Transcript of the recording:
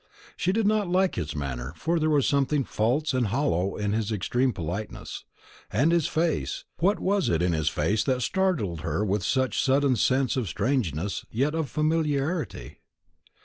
She did not like his manner; there was something false and hollow in his extreme politeness. And his face what was it in his face that startled her with such a sudden sense of strangeness and yet of familiarity?